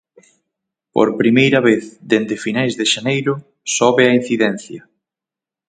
Por primeira vez dende finais de xaneiro sobe a incidencia.